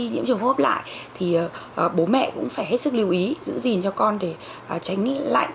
nhiễm trùng hốp lại thì bố mẹ cũng phải hết sức lưu ý giữ gìn cho con để tránh lạnh